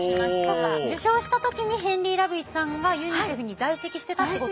そっか受賞した時にヘンリー・ラブイスさんがユニセフに在籍してたってことですね。